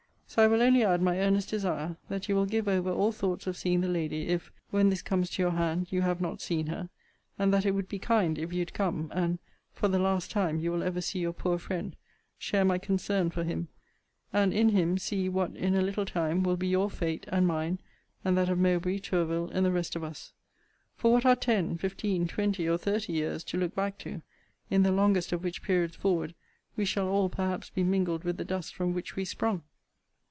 So I will only add my earnest desire, that you will give over all thoughts of seeing the lady, if, when this comes to your hand, you have not seen her: and, that it would be kind, if you'd come, and, for the last time you will ever see your poor friend, share my concern for him; and, in him, see what, in a little time, will be your fate and mine, and that of Mowbray, Tourville, and the rest of us For what are ten, fifteen, twenty, or thirty years, to look back to; in the longest of which periods forward we shall all perhaps be mingled with the dust from which we sprung?